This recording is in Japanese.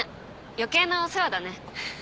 余計なお世話だね。